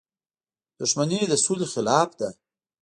• دښمني د سولې خلاف ده.